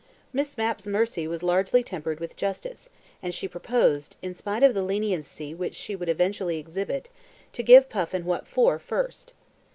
Miss Mapp's mercy was largely tempered with justice, and she proposed, in spite of the leniency which she would eventually exhibit, to give Puffin "what for", first.